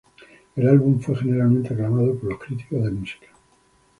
El álbum fue generalmente aclamado por los críticos de música.